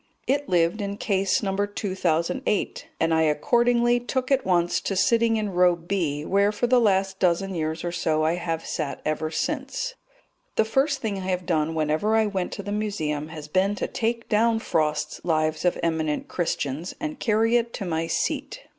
It lived in Case No. 2008, and I accordingly took at once to sitting in Row B, where for the last dozen years or so I have sat ever since. The first thing I have done whenever I went to the Museum has been to take down Frost's Lives of Eminent Christians and carry it to my seat.